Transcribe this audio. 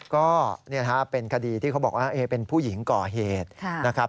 ก็เป็นคดีที่เขาบอกว่าเป็นผู้หญิงก่อเหตุนะครับ